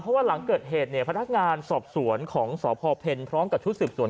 เพราะว่าหลังเกิดเหตุเนี่ยพนักงานสอบสวนของสพเพลพร้อมกับชุดสืบสวน